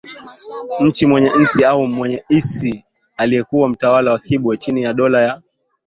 nchi Mwenye Insi au Mwenye Isi aliyekuwa mtawala wa Kibwe chini ya Dola ya